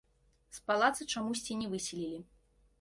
З палаца чамусьці не выселілі.